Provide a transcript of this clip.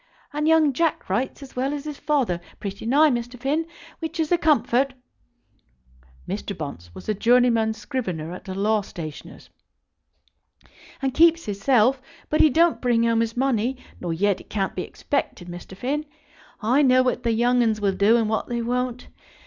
And young Jack writes as well as his father, pretty nigh, Mr. Finn, which is a comfort," Mr. Bunce was a journeyman scrivener at a law stationer's, "and keeps his self; but he don't bring home his money, nor yet it can't be expected, Mr. Finn. I know what the young 'uns will do, and what they won't.